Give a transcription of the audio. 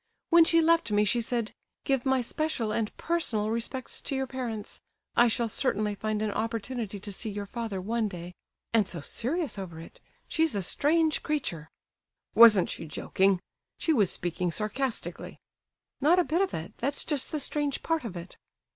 "When she left me she said, 'Give my special and personal respects to your parents; I shall certainly find an opportunity to see your father one day,' and so serious over it. She's a strange creature." "Wasn't she joking? She was speaking sarcastically!" "Not a bit of it; that's just the strange part of it."